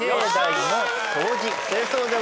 清掃でございます。